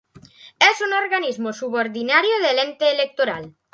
Es un Organismo Subordinado del Ente Electoral.